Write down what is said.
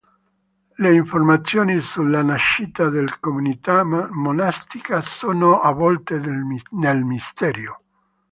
Le informazioni sulla nascita del comunità monastica sono avvolte nel mistero.